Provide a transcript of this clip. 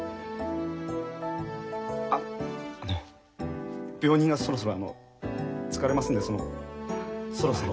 あっあの病人がそろそろあの疲れますんでそのそろそろ。